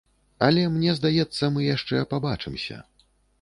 Але, мне здаецца, мы яшчэ пабачымся.